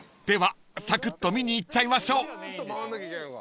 ［ではさくっと見に行っちゃいましょう］